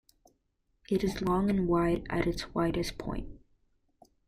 It is long and wide at its widest point.